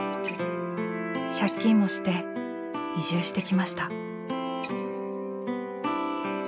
借金もして移住してきました。